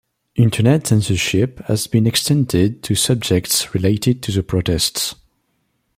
Internet censorship has been extended to subjects related to the protests.